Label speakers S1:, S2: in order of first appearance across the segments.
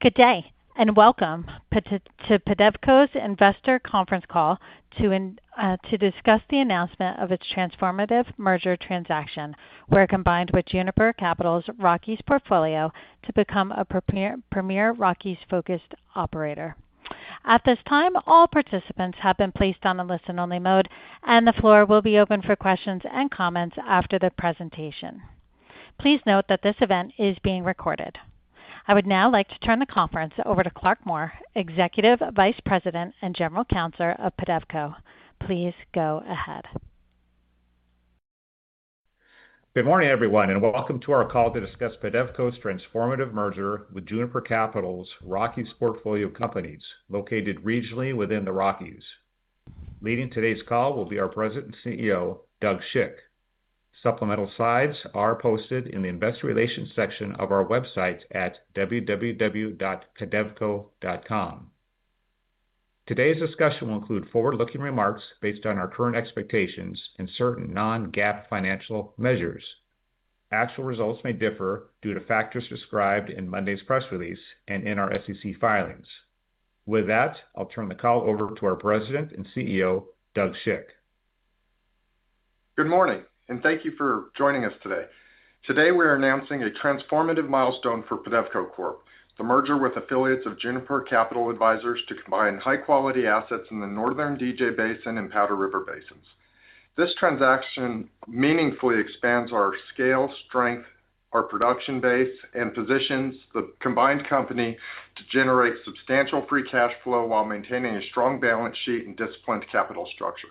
S1: Good day and welcome to PEDEVCO's Investor Conference Call to discuss the announcement of its transformative merger transaction where it combined with Juniper Capital's Rockies portfolio to become a premier Rockies-focused operator. At this time, all participants have been placed on a listen-only mode, and the floor will be open for questions and comments after the presentation. Please note that this event is being recorded. I would now like to turn the conference over to Clark Moore, Executive Vice President and General Counsel of PEDEVCO. Please go ahead.
S2: Good morning, everyone, and welcome to our call to discuss PEDEVCO's transformative merger with Juniper Capital's Rockies portfolio companies located regionally within the Rockies. Leading today's call will be our President and CEO, Doug Schick. Supplemental slides are posted in the investor relations section of our website at www.pedevco.com. Today's discussion will include forward-looking remarks based on our current expectations and certain non-GAAP financial measures. Actual results may differ due to factors described in Monday's press release and in our SEC filings. With that, I'll turn the call over to our President and CEO, Doug Schick.
S3: Good morning, and thank you for joining us today. Today, we are announcing a transformative milestone for PEDEVCO Corp., the merger with affiliates of Juniper Capital Advisors to combine high-quality assets in the Northern DJ Basin and Powder River Basins. This transaction meaningfully expands our scale, strength, our production base, and positions the combined company to generate substantial free cash flow while maintaining a strong balance sheet and disciplined capital structure.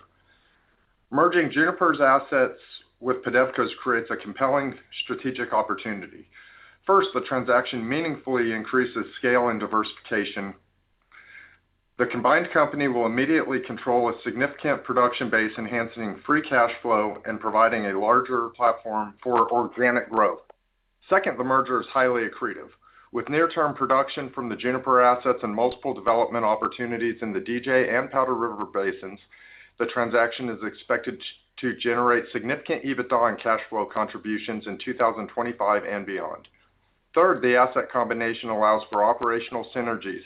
S3: Merging Juniper's assets with PEDEVCO's creates a compelling strategic opportunity. First, the transaction meaningfully increases scale and diversification. The combined company will immediately control a significant production base, enhancing free cash flow and providing a larger platform for organic growth. Second, the merger is highly accretive. With near-term production from the Juniper assets and multiple development opportunities in the DJ and Powder River Basins, the transaction is expected to generate significant EBITDA and cash flow contributions in 2025 and beyond. Third, the asset combination allows for operational synergies.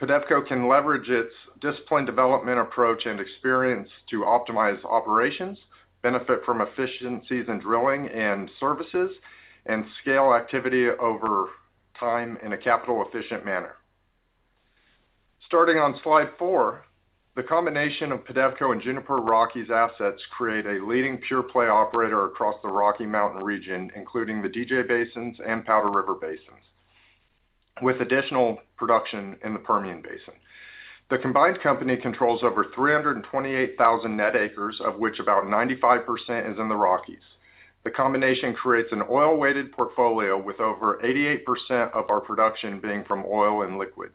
S3: PEDEVCO can leverage its disciplined development approach and experience to optimize operations, benefit from efficiencies in drilling and services, and scale activity over time in a capital-efficient manner. Starting on slide four, the combination of PEDEVCO and Juniper Rockies assets creates a leading pure-play operator across the Rocky Mountain region, including the DJ Basins and Powder River Basins, with additional production in the Permian Basin. The combined company controls over 328,000 net acres, of which about 95% is in the Rockies. The combination creates an oil-weighted portfolio with over 88% of our production being from oil and liquids,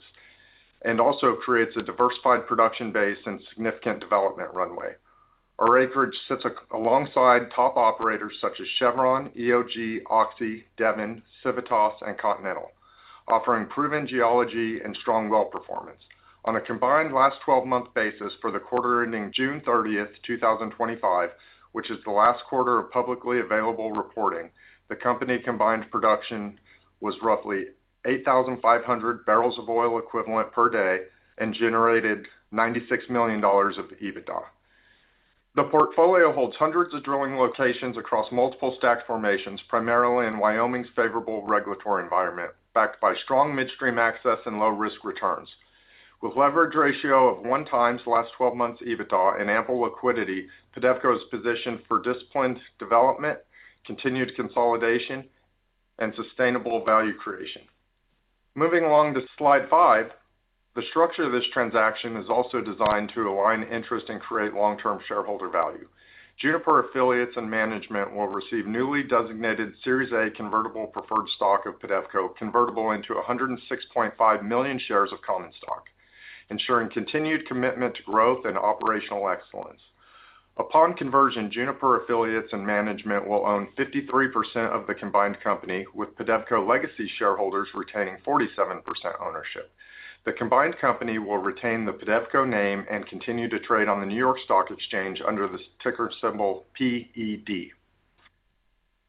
S3: and also creates a diversified production base and significant development runway. Our acreage sits alongside top operators such as Chevron, EOG, Oxy, Devon, Civitas, and Continental, offering proven geology and strong well performance. On a combined last 12-month basis for the quarter ending June 30, 2025, which is the last quarter of publicly available reporting, the company's combined production was roughly 8,500 barrels of oil equivalent per day and generated $96 million of EBITDA. The portfolio holds hundreds of drilling locations across multiple stacked formations, primarily in Wyoming's favorable regulatory environment, backed by strong midstream access and low-risk returns. With a leverage ratio of one times the last 12 months' EBITDA and ample liquidity, PEDEVCO is positioned for disciplined development, continued consolidation, and sustainable value creation. Moving along to slide five, the structure of this transaction is also designed to align interest and create long-term shareholder value. Juniper affiliates and management will receive newly designated Series A convertible preferred stock of PEDEVCO, convertible into 106.5 million shares of common stock, ensuring continued commitment to growth and operational excellence. Upon conversion, Juniper affiliates and management will own 53% of the combined company, with PEDEVCO legacy shareholders retaining 47% ownership. The combined company will retain the PEDEVCO name and continue to trade on the New York Stock Exchange under the ticker symbol PED.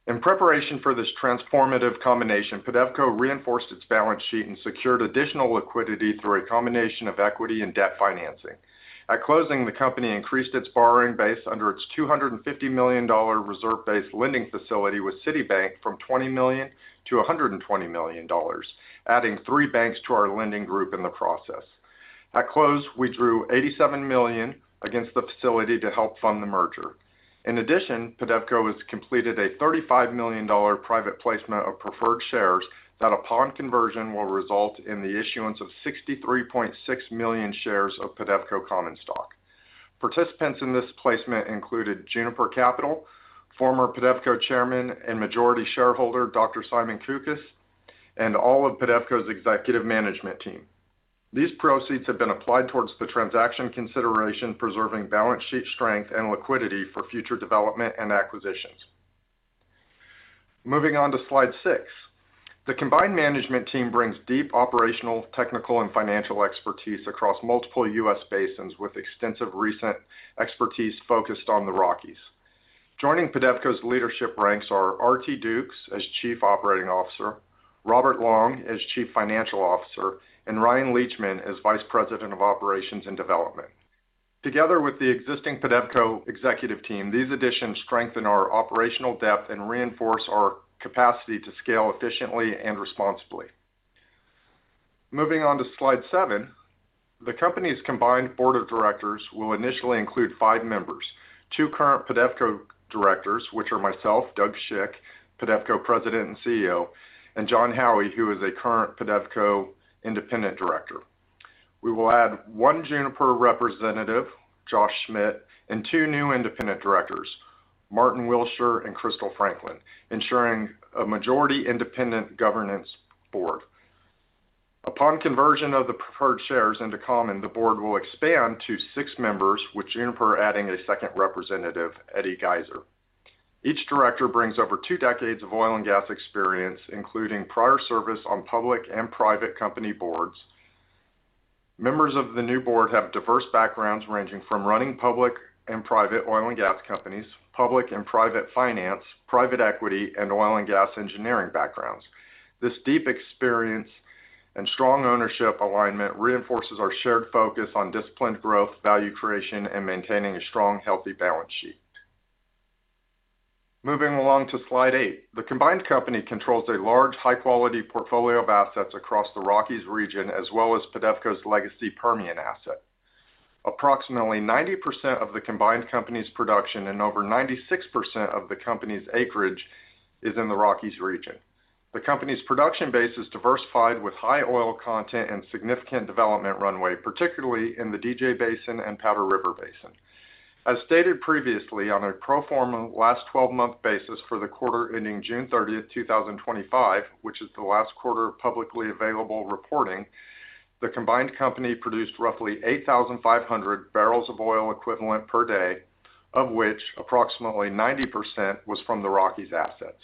S3: In preparation for this transformative combination, PEDEVCO reinforced its balance sheet and secured additional liquidity through a combination of equity and debt financing. At closing, the company increased its borrowing base under its $250 million reserve-based lending facility with Citibank from $20 million-$120 million, adding three banks to our lending group in the process. At close, we drew $87 million against the facility to help fund the merger. In addition, PEDEVCO has completed a $35 million private placement of preferred shares that, upon conversion, will result in the issuance of 63.6 million shares of PEDEVCO common stock. Participants in this placement included Juniper Capital, former PEDEVCO chairman and majority shareholder Dr. Simon Kukes, and all of PEDEVCO's executive management team. These proceeds have been applied towards the transaction consideration, preserving balance sheet strength and liquidity for future development and acquisitions. Moving on to slide six, the combined management team brings deep operational, technical, and financial expertise across multiple U.S. basins with extensive recent expertise focused on the Rockies. Joining PEDEVCO's leadership ranks are R.T. Dukes as Chief Operating Officer, Robert Long as Chief Financial Officer, and Ryan Leachman as Vice President of Operations and Development. Together with the existing PEDEVCO executive team, these additions strengthen our operational depth and reinforce our capacity to scale efficiently and responsibly. Moving on to slide seven, the company's combined board of directors will initially include five members: two current PEDEVCO directors, which are myself, Doug Schick, PEDEVCO President and CEO, and John Howie, who is a current PEDEVCO independent director. We will add one Juniper representative, Josh Schmitt, and two new independent directors, Martin Wiltshire and Crystal Franklin, ensuring a majority independent governance board. Upon conversion of the preferred shares into common, the board will expand to six members, with Juniper adding a second representative, Eddie Geiser. Each director brings over two decades of oil and gas experience, including prior service on public and private company boards. Members of the new board have diverse backgrounds ranging from running public and private oil and gas companies, public and private finance, private equity, and oil and gas engineering backgrounds. This deep experience and strong ownership alignment reinforces our shared focus on disciplined growth, value creation, and maintaining a strong, healthy balance sheet. Moving along to slide eight, the combined company controls a large, high-quality portfolio of assets across the Rockies region, as well as PEDEVCO's legacy Permian asset. Approximately 90% of the combined company's production and over 96% of the company's acreage is in the Rockies region. The company's production base is diversified with high oil content and significant development runway, particularly in the DJ Basin and Powder River Basin. As stated previously, on a pro forma last 12-month basis for the quarter ending June 30, 2025, which is the last quarter of publicly available reporting, the combined company produced roughly 8,500 barrels of oil equivalent per day, of which approximately 90% was from the Rockies assets.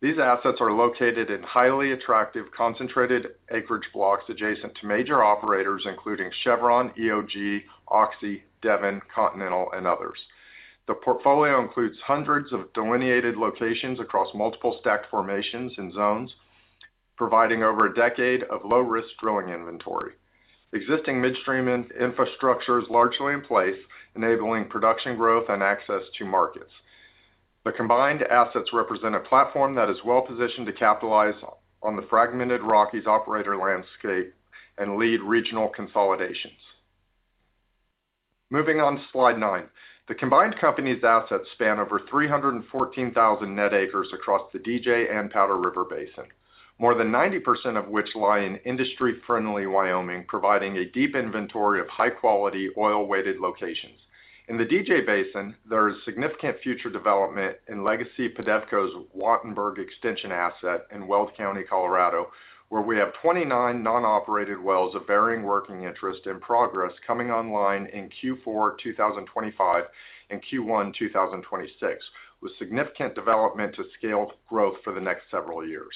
S3: These assets are located in highly attractive concentrated acreage blocks adjacent to major operators, including Chevron, EOG, Oxy, Devon, Continental, and others. The portfolio includes hundreds of delineated locations across multiple stack formations and zones, providing over a decade of low-risk drilling inventory. Existing midstream infrastructure is largely in place, enabling production growth and access to markets. The combined assets represent a platform that is well-positioned to capitalize on the fragmented Rockies operator landscape and lead regional consolidations. Moving on to slide nine, the combined company's assets span over 314,000 net acres across the DJ and Powder River Basin, more than 90% of which lie in industry-friendly Wyoming, providing a deep inventory of high-quality oil-weighted locations. In the DJ Basin, there is significant future development in legacy PEDEVCO's Wattenberg Extension asset in Weld County, Colorado, where we have 29 non-operated wells of varying working interest in progress coming online in Q4 2025 and Q1 2026, with significant development to scale growth for the next several years.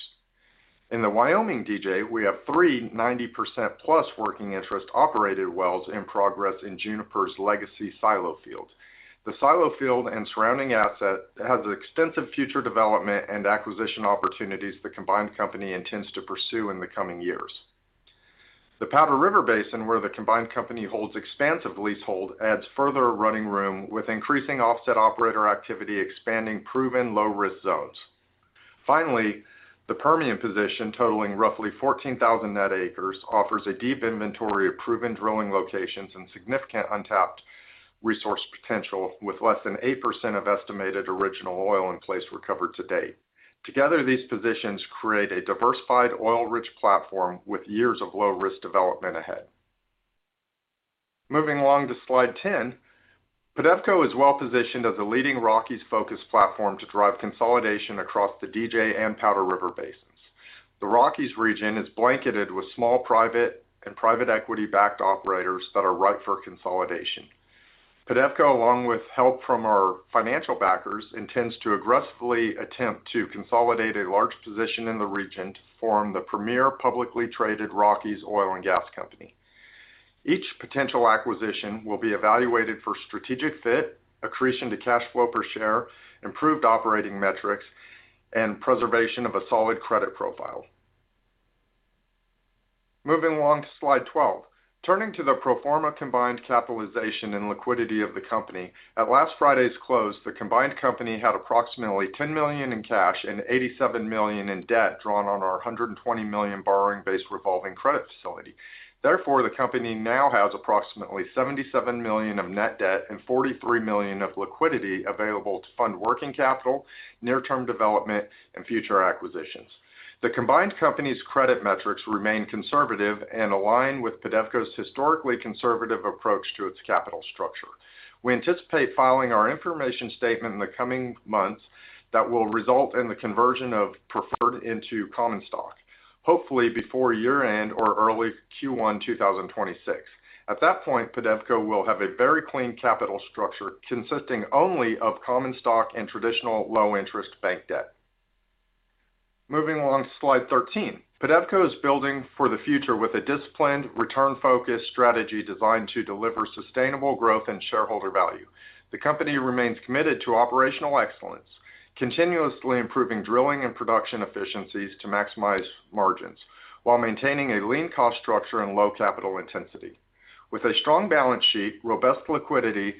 S3: In the Wyoming DJ, we have three 90%+ working interest operated wells in progress in Juniper's legacy Silo Field. The Silo Field and surrounding asset has extensive future development and acquisition opportunities the combined company intends to pursue in the coming years. The Powder River Basin, where the combined company holds expansive leasehold, adds further running room with increasing offset operator activity expanding proven low-risk zones. Finally, the Permian position, totaling roughly 14,000 net acres, offers a deep inventory of proven drilling locations and significant untapped resource potential, with less than 8% of estimated original oil in place recovered to date. Together, these positions create a diversified oil-rich platform with years of low-risk development ahead. Moving along to slide ten, PEDEVCO is well-positioned as a leading Rockies-focused platform to drive consolidation across the DJ and Powder River Basins. The Rockies region is blanketed with small private and private equity-backed operators that are ripe for consolidation. PEDEVCO, along with help from our financial backers, intends to aggressively attempt to consolidate a large position in the region to form the premier publicly traded Rockies oil and gas company. Each potential acquisition will be evaluated for strategic fit, accretion to cash flow per share, improved operating metrics, and preservation of a solid credit profile. Moving along to slide 12, turning to the pro forma combined capitalization and liquidity of the company. At last Friday's close, the combined company had approximately $10 million in cash and $87 million in debt drawn on our $120 million borrowing based revolving credit facility. Therefore, the company now has approximately $77 million of net debt and $43 million of liquidity available to fund working capital, near-term development, and future acquisitions. The combined company's credit metrics remain conservative and align with PEDEVCO's historically conservative approach to its capital structure. We anticipate filing our information statement in the coming months that will result in the conversion of preferred into common stock, hopefully before year-end or early Q1 2026. At that point, PEDEVCO will have a very clean capital structure consisting only of common stock and traditional low-interest bank debt. Moving along to slide 13, PEDEVCO is building for the future with a disciplined return-focused strategy designed to deliver sustainable growth and shareholder value. The company remains committed to operational excellence, continuously improving drilling and production efficiencies to maximize margins while maintaining a lean cost structure and low capital intensity. With a strong balance sheet, robust liquidity,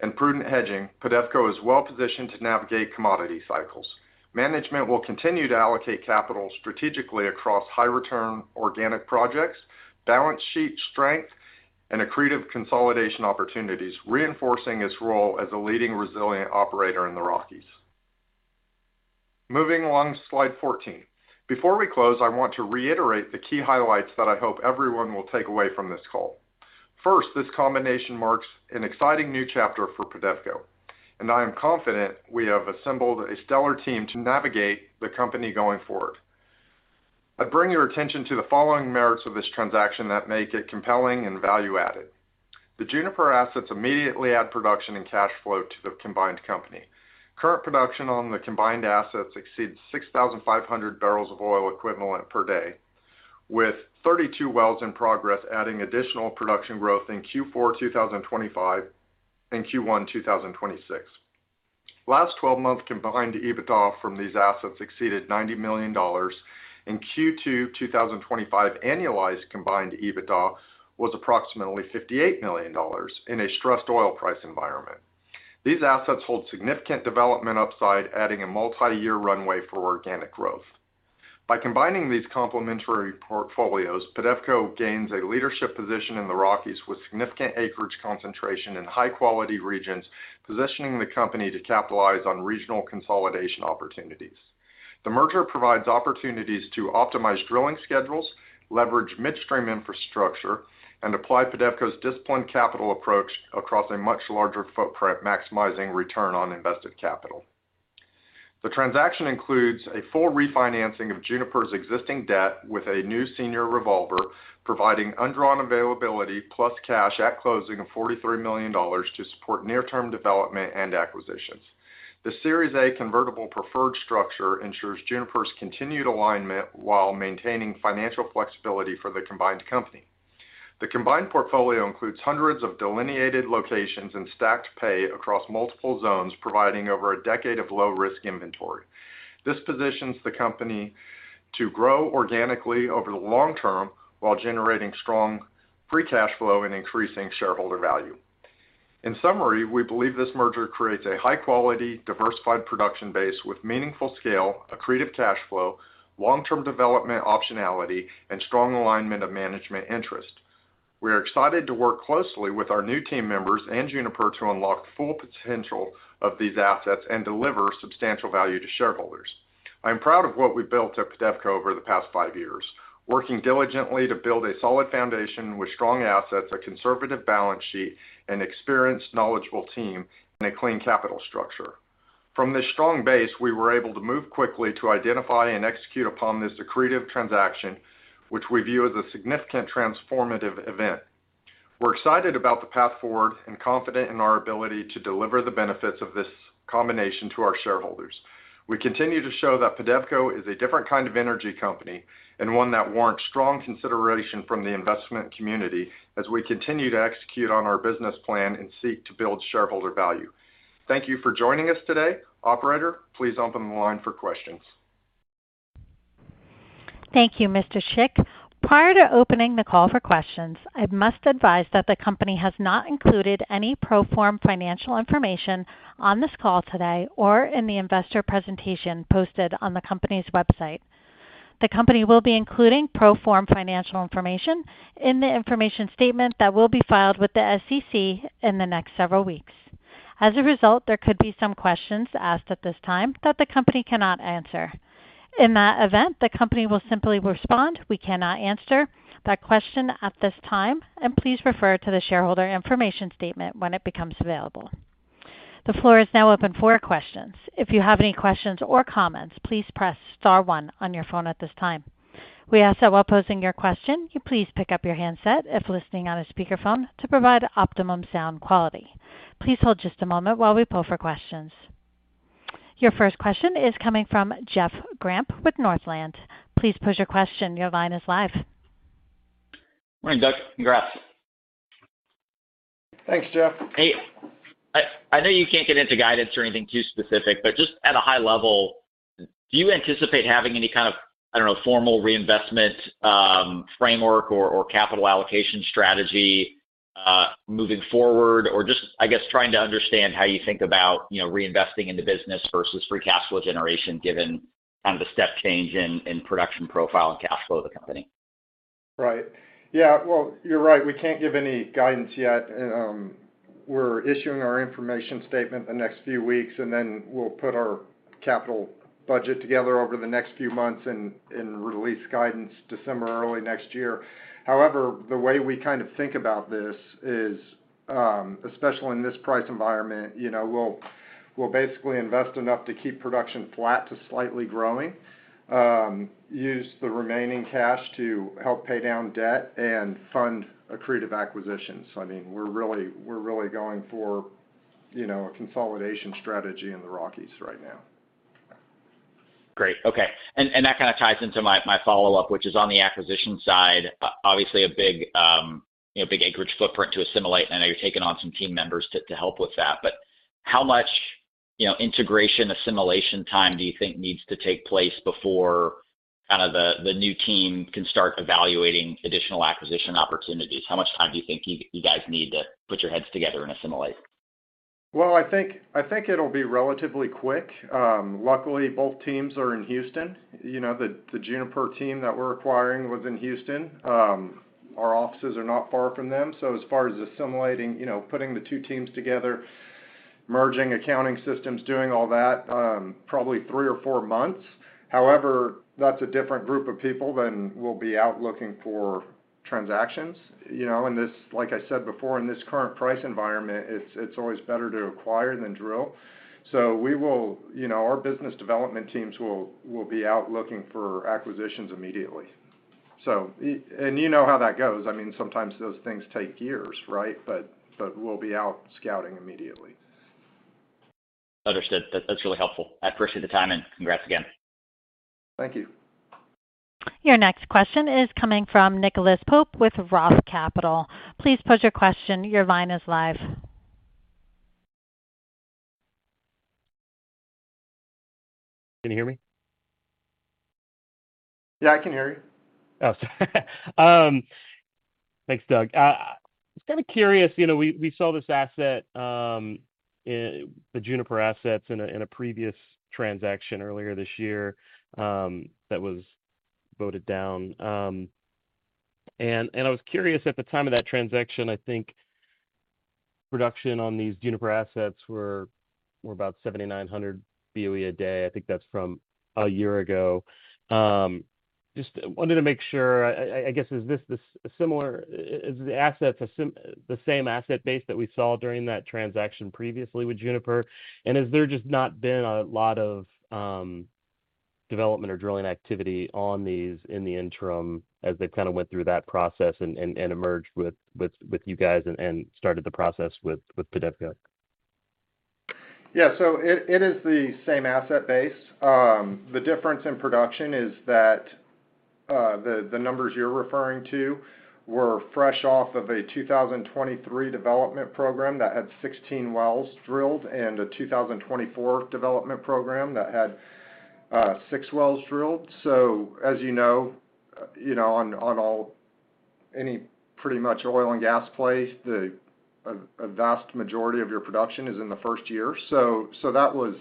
S3: and prudent hedging, PEDEVCO is well-positioned to navigate commodity cycles. Management will continue to allocate capital strategically across high-return organic projects, balance sheet strength, and accretive consolidation opportunities, reinforcing its role as a leading resilient operator in the Rockies. Moving along to slide 14, before we close, I want to reiterate the key highlights that I hope everyone will take away from this call. First, this combination marks an exciting new chapter for PEDEVCO, and I am confident we have assembled a stellar team to navigate the company going forward. I bring your attention to the following merits of this transaction that make it compelling and value-added. The Juniper assets immediately add production and cash flow to the combined company. Current production on the combined assets exceeds 6,500 barrels of oil equivalent per day, with 32 wells in progress adding additional production growth in Q4 2025 and Q1 2026. Last 12-month combined EBITDA from these assets exceeded $90 million, and Q2 2025 annualized combined EBITDA was approximately $58 million in a stressed oil price environment. These assets hold significant development upside, adding a multi-year runway for organic growth. By combining these complementary portfolios, PEDEVCO gains a leadership position in the Rockies with significant acreage concentration in high-quality regions, positioning the company to capitalize on regional consolidation opportunities. The merger provides opportunities to optimize drilling schedules, leverage midstream infrastructure, and apply PEDEVCO's disciplined capital approach across a much larger footprint, maximizing return on invested capital. The transaction includes a full refinancing of Juniper's existing debt with a new senior revolver, providing undrawn availability plus cash at closing of $43 million to support near-term development and acquisitions. The Series A convertible preferred structure ensures Juniper's continued alignment while maintaining financial flexibility for the combined company. The combined portfolio includes hundreds of delineated locations and stacked pay across multiple zones, providing over a decade of low-risk inventory. This positions the company to grow organically over the long-term while generating strong free cash flow and increasing shareholder value. In summary, we believe this merger creates a high-quality, diversified production base with meaningful scale, accretive cash flow, long-term development optionality, and strong alignment of management interest. We are excited to work closely with our new team members and Juniper to unlock the full potential of these assets and deliver substantial value to shareholders. I am proud of what we've built at PEDEVCO over the past five years, working diligently to build a solid foundation with strong assets, a conservative balance sheet, an experienced, knowledgeable team, and a clean capital structure. From this strong base, we were able to move quickly to identify and execute upon this accretive transaction, which we view as a significant transformative event. We're excited about the path forward and confident in our ability to deliver the benefits of this combination to our shareholders. We continue to show that PEDEVCO is a different kind of energy company and one that warrants strong consideration from the investment community as we continue to execute on our business plan and seek to build shareholder value. Thank you for joining us today. Operator, please open the line for questions.
S1: Thank you, Mr. Schick. Prior to opening the call for questions, I must advise that the company has not included any pro forma financial information on this call today or in the investor presentation posted on the company's website. The company will be including pro forma financial information in the information statement that will be filed with the SEC in the next several weeks. As a result, there could be some questions asked at this time that the company cannot answer. In that event, the company will simply respond, "We cannot answer that question at this time," and please refer to the shareholder information statement when it becomes available. The floor is now open for questions. If you have any questions or comments, please press star one on your phone at this time. We ask that while posing your question, you please pick up your handset if listening on a speakerphone to provide optimum sound quality. Please hold just a moment while we pull for questions. Your first question is coming from Jeff Grampp with Northland. Please pose your question. Your line is live.
S4: Morning, Doug. Congrats.
S3: Thanks, Jeff.
S4: Hey. I know you can't get into guidance or anything too specific, but just at a high level, do you anticipate having any kind of, I don't know, formal reinvestment framework or capital allocation strategy moving forward, or just, I guess, trying to understand how you think about reinvesting in the business versus free cash flow generation given kind of the step change in production profile and cash flow of the company?
S3: Right. Yeah. Well, you're right. We can't give any guidance yet. We're issuing our information statement the next few weeks, and then we'll put our capital budget together over the next few months and release guidance December, early next year. However, the way we kind of think about this is, especially in this price environment, we'll basically invest enough to keep production flat to slightly growing, use the remaining cash to help pay down debt, and fund accretive acquisitions. I mean, we're really going for a consolidation strategy in the Rockies right now.
S4: Great. Okay, and that kind of ties into my follow-up, which is on the acquisition side, obviously a big acreage footprint to assimilate, and I know you're taking on some team members to help with that, but how much integration assimilation time do you think needs to take place before kind of the new team can start evaluating additional acquisition opportunities? How much time do you guys need to put your heads together and assimilate? Well, I think it'll be relatively quick. Luckily, both teams are in Houston. The Juniper team that we're acquiring was in Houston. Our offices are not far from them, so as far as assimilating, putting the two teams together, merging accounting systems, doing all that, probably three or four months.
S3: However, that's a different group of people than will be out looking for transactions. And like I said before, in this current price environment, it's always better to acquire than drill. So our business development teams will be out looking for acquisitions immediately. And you know how that goes. I mean, sometimes those things take years, right? But we'll be out scouting immediately.
S4: Understood. That's really helpful. I appreciate the time, and congrats again.
S3: Thank you.
S1: Your next question is coming from Nicholas Pope with Roth Capital. Please pose your question. Your line is live.
S5: Can you hear me?
S3: Yeah, I can hear you.
S5: Oh, sorry. Thanks, Doug. I was kind of curious. We saw this asset, the Juniper assets, in a previous transaction earlier this year that was voted down. I was curious, at the time of that transaction, I think production on these Juniper assets were about 7,900 BOE a day. I think that's from a year ago. Just wanted to make sure, I guess. Is this similar? Is the assets the same asset base that we saw during that transaction previously with Juniper? Has there just not been a lot of development or drilling activity on these in the interim as they've kind of went through that process and emerged with you guys and started the process with PEDEVCO?
S3: Yeah. So it is the same asset base. The difference in production is that the numbers you're referring to were fresh off of a 2023 development program that had 16 wells drilled and a 2024 development program that had 6 wells drilled. So, as you know, on any pretty much oil and gas play, a vast majority of your production is in the first year. So that was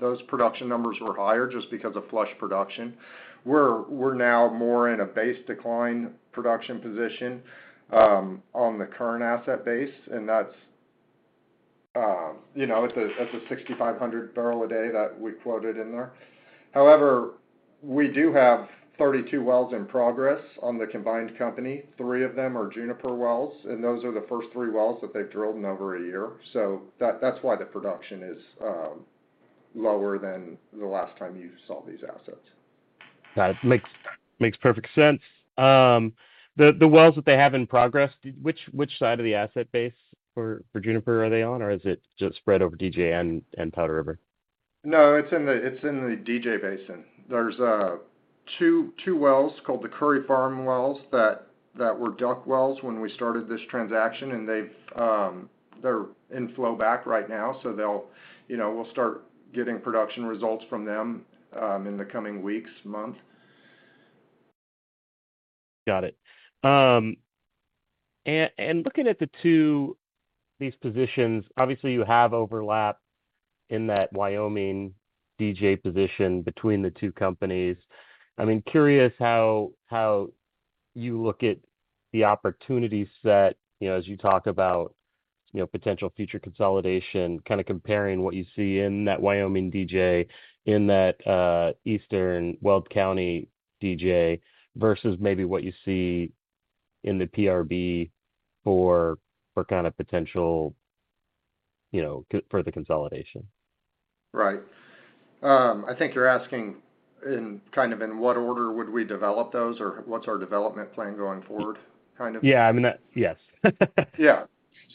S3: those production numbers were higher just because of flush production. We're now more in a base decline production position on the current asset base, and that's at the 6,500 barrel a day that we quoted in there. However, we do have 32 wells in progress on the combined company. Three of them are Juniper wells, and those are the first three wells that they've drilled in over a year. So that's why the production is lower than the last time you saw these assets.
S5: Got it. Makes perfect sense. The wells that they have in progress, which side of the asset base for Juniper are they on, or is it just spread over DJ and Powder River?
S3: No, it's in the DJ Basin. There's two wells called the Curry Farm wells that were DUC wells when we started this transaction, and they're in flow back right now. So we'll start getting production results from them in the coming weeks, month.
S5: Got it. Looking at these positions, obviously, you have overlap in that Wyoming DJ position between the two companies. I mean, curious how you look at the opportunities that, as you talk about potential future consolidation, kind of comparing what you see in that Wyoming DJ, in that Eastern Weld County DJ, versus maybe what you see in the PRB for kind of potential further consolidation.
S3: Right. I think you're asking kind of in what order would we develop those or what's our development plan going forward, kind of?
S5: Yeah. I mean, yes.
S3: Yeah.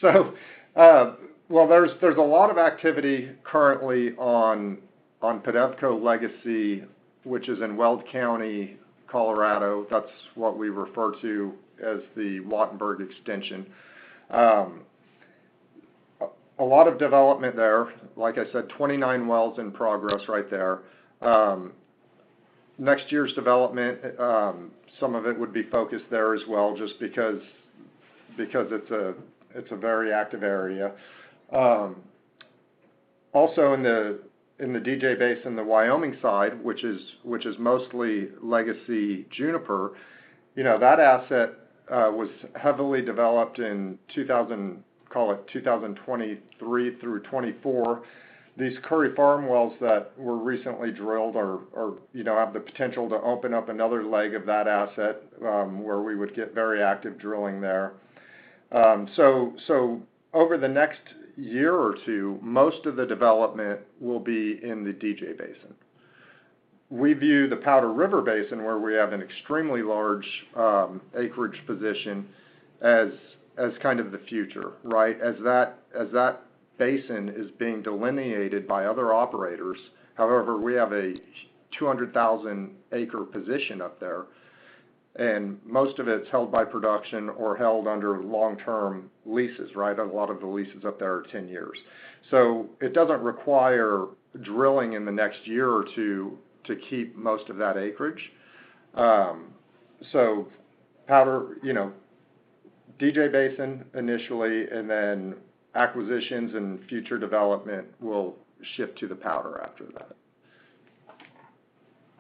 S3: Well, there's a lot of activity currently on PEDEVCO Legacy, which is in Weld County, Colorado. That's what we refer to as the Wattenberg extension. A lot of development there. Like I said, 29 wells in progress right there. Next year's development, some of it would be focused there as well just because it's a very active area. Also, in the DJ Basin in the Wyoming side, which is mostly Legacy Juniper, that asset was heavily developed in, call it 2023 through 2024. These Curry Farm wells that were recently drilled have the potential to open up another leg of that asset where we would get very active drilling there. So over the next year or two, most of the development will be in the DJ Basin. We view the Powder River Basin where we have an extremely large acreage position as kind of the future, right? As that basin is being delineated by other operators. However, we have a 200,000-acre position up there, and most of it's held by production or held under long-term leases, right? A lot of the leases up there are 10 years. So it doesn't require drilling in the next year or two to keep most of that acreage. So DJ Basin initially, and then acquisitions and future development will shift to the Powder after that.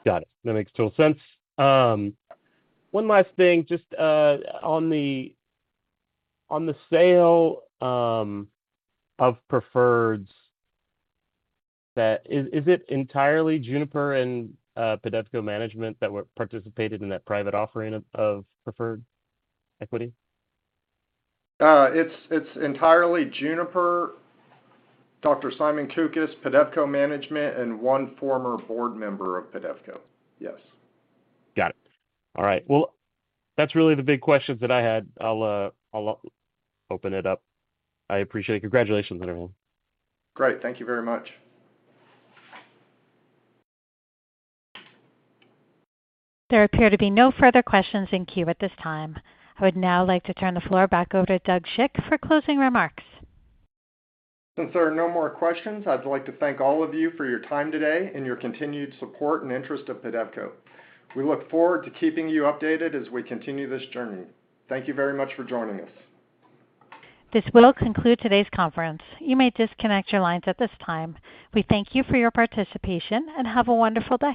S5: Got it. That makes total sense. One last thing. Just on the sale of Preferreds, is it entirely Juniper and PEDEVCO management that participated in that private offering of Preferred equity?
S3: It's entirely Juniper, Dr. Simon Kukes, PEDEVCO management, and one former board member of PEDEVCO. Yes.
S5: Got it. All right. Well, that's really the big questions that I had. I'll open it up. I appreciate it. Congratulations on everything. Great. Thank you very much.
S1: There appear to be no further questions in queue at this time. I would now like to turn the floor back over to Doug Schick for closing remarks.
S3: Since there are no more questions, I'd like to thank all of you for your time today and your continued support and interest of PEDEVCO. We look forward to keeping you updated as we continue this journey. Thank you very much for joining us.
S1: This will conclude today's conference. You may disconnect your lines at this time. We thank you for your participation and have a wonderful day.